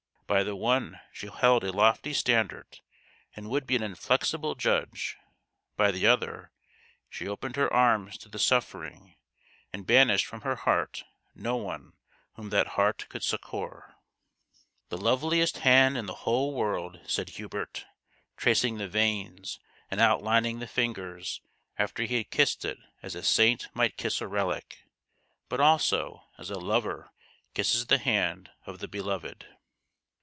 By the one she held a lofty standard and would be an inflexible judge ; by the other she opened her arms to the suffering, and banished from her heart no one whom that heart could succour. " The loveliest hand in the whole world 1 " THE GHOST OF THE PAST. 155 said Hubert, tracing the veins and outlining the fingers after he had kissed it as a saint might kiss a relic; but also as a lover kisses the hand of the beloved.